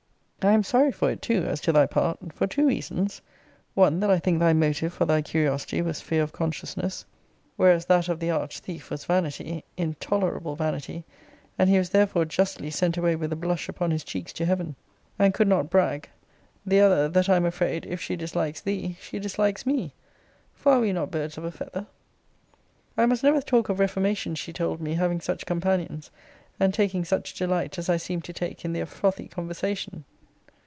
I am sorry for it too, as to thy part; for two reasons one, that I think thy motive for thy curiosity was fear of consciousness: whereas that of the arch thief was vanity, intolerable vanity: and he was therefore justly sent away with a blush upon his cheeks to heaven, and could not brag the other, that I am afraid, if she dislikes thee, she dislikes me: for are we not birds of a feather? I must never talk of reformation, she told me, having such companions, and taking such delight, as I seemed to take, in their frothy conversation.